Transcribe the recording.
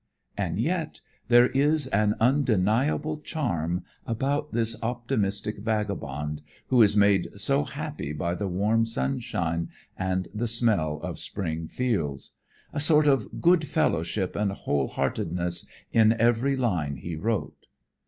And yet there is an undeniable charm about this optimistic vagabond who is made so happy by the warm sunshine and the smell of spring fields. A sort of good fellowship and whole heartedness in every line he wrote.